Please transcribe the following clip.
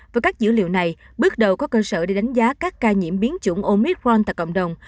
với các dữ liệu này bước đầu có cơ sở để đánh giá các ca nhiễm biến chủng omid fron tại cộng đồng